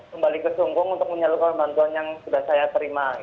kembali ke sungkung untuk menyalurkan bantuan yang sudah saya terima